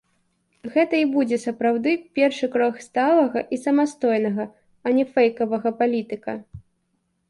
Гэта і будзе сапраўды першы крок сталага і самастойнага, а не фэйкавага палітыка.